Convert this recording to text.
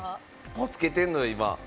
つけてんのよ、今。